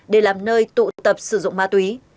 để làm nơi tụ tập sử dụng ma túy